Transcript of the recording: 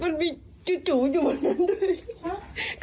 มันมีจู่อยู่บนนั้นด้วย